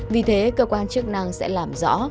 vì thế cơ quan chức năng sẽ làm rõ